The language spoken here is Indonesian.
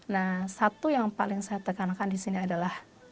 nah satu yang paling saya tekankan di sini adalah